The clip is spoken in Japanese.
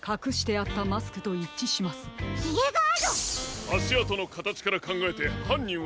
あしあとのかたちからかんがえてはんにんは。